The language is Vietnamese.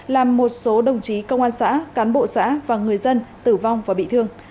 làm một số đồng chí công an xã cán bộ xã và người dân tử vong và bị thương